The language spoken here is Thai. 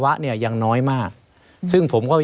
ไม่มีครับไม่มีครับ